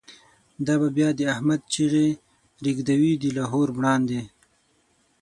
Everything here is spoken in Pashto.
دا به بیا د« احمد» چیغی، ریږدوی د لاهور مړاندی